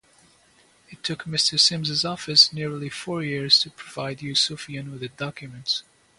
It took Mr Sims's office nearly four years to provide Yousoufian with the documents.